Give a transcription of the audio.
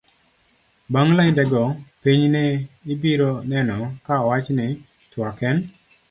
bang' lainde go pinyne ibiro neno ka owach ni twak en